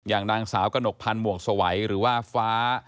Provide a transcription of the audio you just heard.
อย่างนางสาวกระหนกพันธ์หมวกสวัยหรือว่าฟ้า